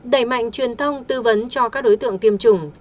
đẩy mạnh truyền thông tư vấn cho các đối tượng tiêm chủng